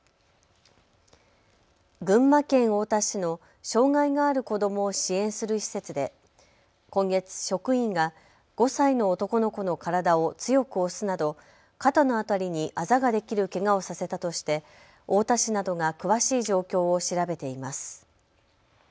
群馬県太田市の障害がある子どもを支援する施設で今月、職員が５歳の男の子の体を強く押すなど肩の辺りにあざができるけがをさせたとして太田市などが詳しい状況を調べています。